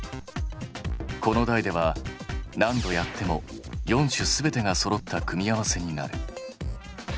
子の代では何度やっても４種全てがそろった組み合わせになる。